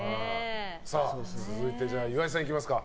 続いて岩井さん、いきますか。